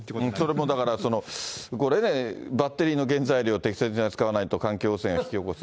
それもだから、これね、バッテリーの原材料を適切に扱わないと、環境汚染を引き起こす。